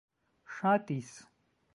ŝatis